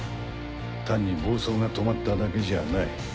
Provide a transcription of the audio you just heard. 単に暴走が止まっただけじゃない。